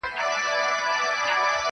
• اميد کمزوری پاتې کيږي دلته تل..